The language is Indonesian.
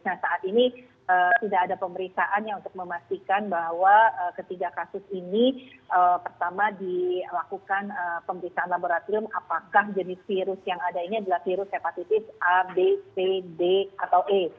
nah saat ini tidak ada pemeriksaan yang untuk memastikan bahwa ketiga kasus ini pertama dilakukan pemeriksaan laboratorium apakah jenis virus yang ada ini adalah virus hepatitis a b c d atau e